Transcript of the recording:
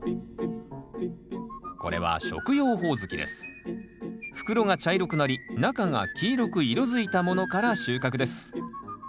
これは袋が茶色くなり中が黄色く色づいたものから収穫です